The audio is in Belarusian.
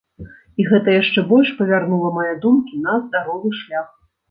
І гэта яшчэ больш павярнула мае думкі на здаровы шлях.